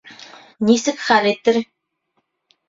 Нисек хәл итер?